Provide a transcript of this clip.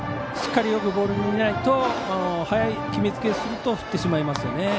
しっかりボールを見ないと早く決めつけすると振ってしまいますよね。